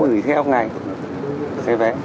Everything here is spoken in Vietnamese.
gửi xe hôm nay xe vé